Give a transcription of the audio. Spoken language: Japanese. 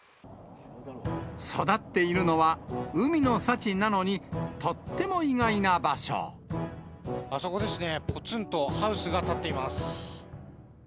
育っているのは海の幸なのに、あそこですね、ぽつんとハウスが建っています。